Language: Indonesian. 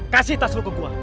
kasih tas lu ke gua